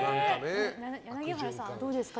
柳原さん、どうですか？